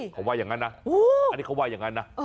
เขาว่าอย่างนั้นนะอันนี้เขาว่าอย่างนั้นนะ